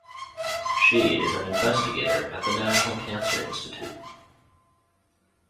She is an investigator at the National Cancer Institute.